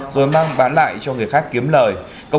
rồi mang bán lại cho người khác kiếm lời